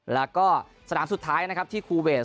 แล้วก็สนามสุดท้ายนะครับที่คูเวท